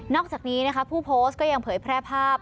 อกจากนี้นะคะผู้โพสต์ก็ยังเผยแพร่ภาพ